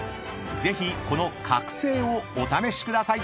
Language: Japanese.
［ぜひこの「覚醒」をお試しください］